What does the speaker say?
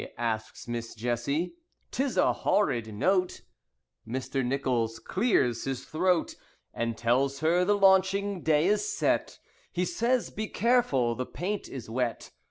asks Miss Jessie. "'Tis a horrid note." Mr. Nichols clears his throat, And tells her the launching day is set. He says, "Be careful, the paint is wet."